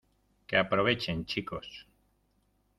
que aprovechen, chicos.